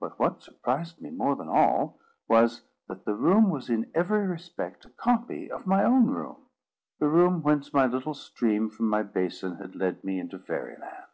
But what surprised me more than all, was, that the room was in every respect a copy of my own room, the room whence the little stream from my basin had led me into Fairy Land.